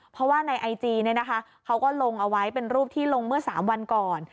เพราะว่าในไอจีเนี่ยนะคะเขาก็ลงเอาไว้เป็นรูปที่ลงเมื่อ๓วันก่อน